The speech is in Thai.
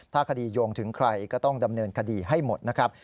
ถ้าคดีโยงถึงใครก็ต้องดำเนินคดีให้หมดนะครับ